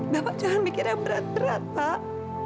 bapak jangan mikir yang berat berat pak